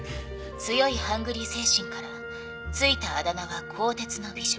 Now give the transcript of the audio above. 強いハングリー精神から付いたあだ名は鋼鉄の美女。